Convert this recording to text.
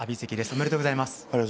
ありがとうございます。